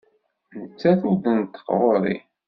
Nettat ur d-tneṭṭeq ɣer-i.